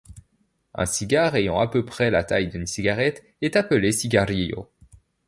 Un cigare ayant à peu près la taille d'une cigarette est appelé cigarillo.